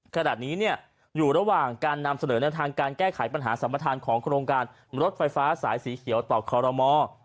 ขณะนี้อยู่ระหว่างการนำเสนอแนวทางการแก้ไขปัญหาสัมประธานของโครงการรถไฟฟ้าสายสีเขียวต่อคอรมอ